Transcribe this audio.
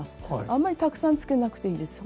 あんまりたくさんつけなくていいです。